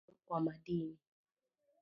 Eneo ambalo lina utajiri mkubwa wa madini.